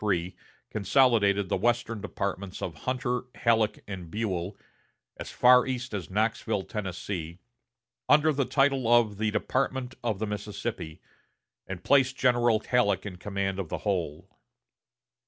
3 consolidated the western departments of Hunter, Halleck, and Buell, as far east as Knoxville, Tennessee, under the title of the Department of the Mississippi, and placed General Halleck in command of the whole.